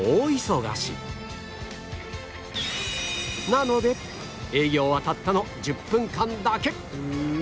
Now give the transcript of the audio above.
なので営業はたったの１０分間だけ